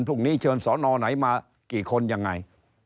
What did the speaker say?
พรุ่งนี้เชิญสอนอไหนมากี่คนยังไง